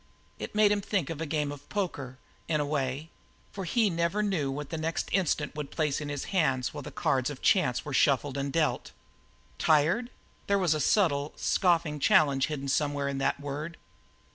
It made him think of a game of poker, in a way, for he never knew what the next instant would place in his hands while the cards of chance were shuffled and dealt. Tired? There was a subtle, scoffing challenge hidden somewhere in that word.